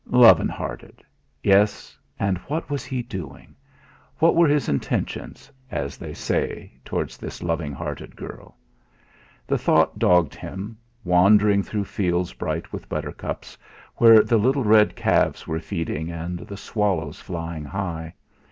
"Lovin' hearted!" Yes! And what was he doing? What were his intentions as they say towards this loving hearted girl? The thought dogged him, wandering through fields bright with buttercups, where the little red calves were feeding, and the swallows flying high.